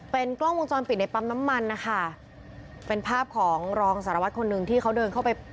เป็นกล้องวงจรปิดในปั๊มน้ำมันนะคะเป็นภาพของรองสารวัตรคนหนึ่งที่เขาเดินเข้าไป